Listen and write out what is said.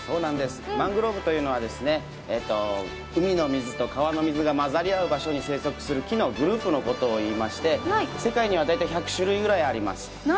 マングローブというのは海の水と川の水が混じり合う場所に生息する木のグループのことを言いまして世界には大体１００種類ぐらいあります。